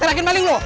terakhir maling loh